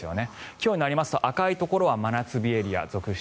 今日になりますと赤いところは真夏日エリア続出。